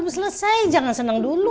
habis selesai jangan senang dulu